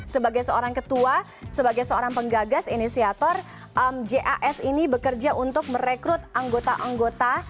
sebagai seorang ketua sebagai seorang penggagas inisiator jas ini bekerja untuk merekrut anggota anggota